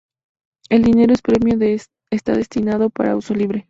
El dinero del premio está destinado para uso libre.